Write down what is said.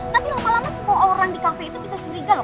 nanti lama lama semua orang di kafe itu bisa curiga loh